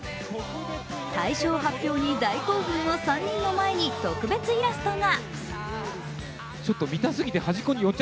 大賞発表に大興奮の３人の前に特別イラストが。